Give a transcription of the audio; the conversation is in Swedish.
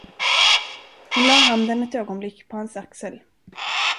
Hon lade handen ett ögonblick på hans axel.